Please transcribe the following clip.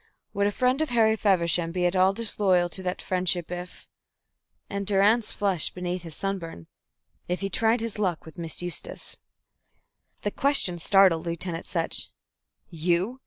Would a friend of Harry Feversham be at all disloyal to that friendship, if" and Durrance flushed beneath his sunburn "if he tried his luck with Miss Eustace?" The question startled Lieutenant Sutch. "You?"